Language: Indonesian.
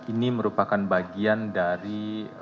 ini merupakan bagian dari